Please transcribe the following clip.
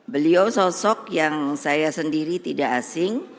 beliau sosok yang saya sendiri tidak asing